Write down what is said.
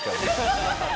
ハハハッ。